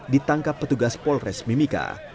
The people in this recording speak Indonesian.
ditangkap petugas polres mimika